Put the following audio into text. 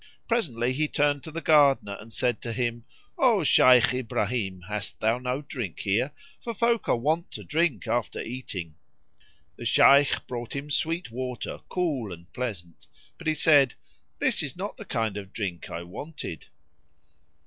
Presently he turned to the Gardener and said to him, "O Shaykh Ibrahim hast thou no drink here, for folk are wont to drink after eating?" The Shaykh brought him sweet water, cool and pleasant, but he said, "This is not the kind of drink I wanted."